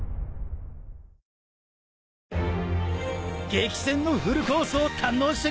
［激戦のフルコースを堪能してくれ！］